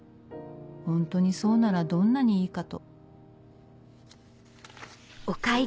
ホントにそうならどんなにいいかと」。